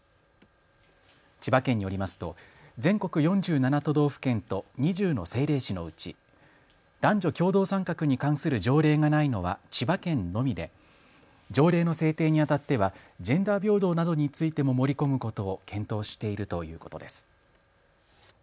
千葉県によりますと全国４７都道府県と２０の政令市のうち男女共同参画に関する条例がないのは千葉県のみで条例の制定にあたってはジェンダー平等などについても盛り込むことを検討しているということです。